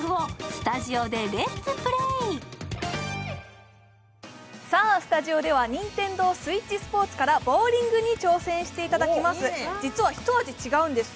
スタジオでは「ＮｉｎｔｅｎｄｏＳｗｉｔｃｈＳｐｏｒｔｓ」からボウリングに挑戦していただきます。